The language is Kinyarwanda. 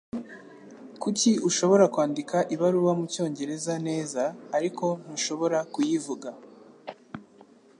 Kuki ushobora kwandika ibaruwa mucyongereza neza, ariko ntushobora kuyivuga?